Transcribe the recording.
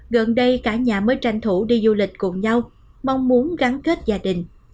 gần đây cả nhà mới tranh thủ đi du lịch cùng nhau mong muốn gắn kết gia đình